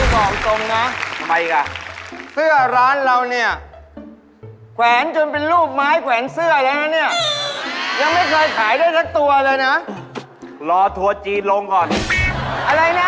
ก็บอกตรงนะ